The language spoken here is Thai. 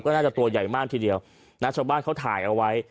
น่าจะตัวใหญ่มากทีเดียวนะชาวบ้านเขาถ่ายเอาไว้